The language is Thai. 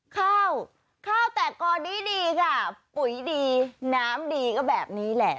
ข้าวข้าวแต่ก่อนดีค่ะปุ๋ยดีน้ำดีก็แบบนี้แหละ